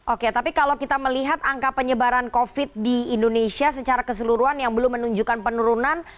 oke tapi kalau kita melihat angka penyebaran covid di indonesia secara keseluruhan yang belum menunjukkan penurunan